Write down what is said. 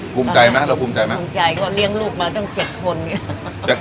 ภูมิใจไหมเราภูมิใจไหมภูมิใจก็เลี้ยงลูกมาตั้ง๗คนไง